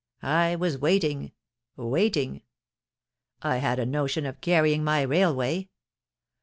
I was waiting — waiting. I had a notion of carrying my railway.